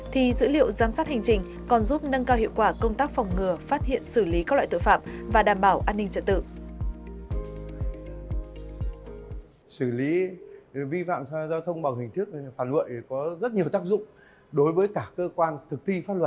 thì dữ liệu giám sát hành trình còn giúp nâng cao hiệu quả công tác phòng ngừa phát hiện xử lý các loại tội phạm và đảm bảo an ninh trật tự